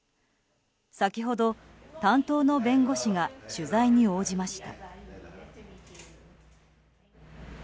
先ほど、担当の弁護士が取材に応じました。